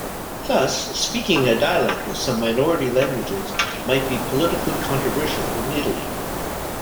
Thus, speaking a dialect of some minority languages might be politically controversial in Italy.